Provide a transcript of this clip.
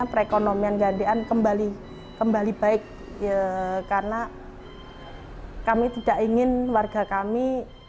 perekonomian ngan dek an kembali baik karena kami tidak ingin warga kami